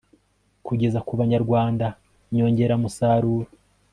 kugeza ku banyarwanda inyongeramusaruro